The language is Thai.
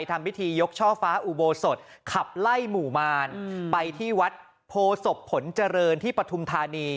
ทำพิธียกช่อฟ้าอุโบสถขับไล่หมู่มารไปที่วัดโพศพผลเจริญที่ปฐุมธานี